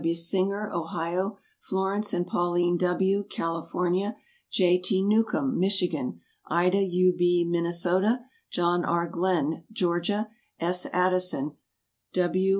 W. Singer, Ohio; Florence and Pauline W., California; J. T. Newcombe, Michigan; Ida U. B., Minnesota; John R. Glen, Georgia; S. Addison W.